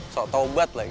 sok taubat lah itu